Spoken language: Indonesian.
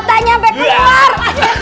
aduh matanya sampai keluar